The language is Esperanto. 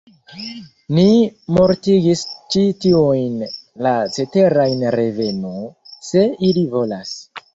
Ni mortigis ĉi tiujn; la ceteraj revenu, se ili volas!